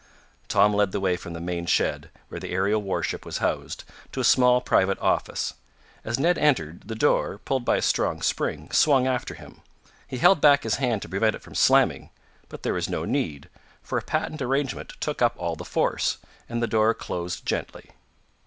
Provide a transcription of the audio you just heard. Tom led the way from the main shed, where the aerial warship was housed, to a small private office. As Ned entered, the door, pulled by a strong spring, swung after him. He held back his hand to prevent it from slamming, but there was no need, for a patent arrangement took up all the force, and the door closed gently.